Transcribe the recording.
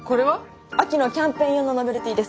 秋のキャンペーン用のノベルティです。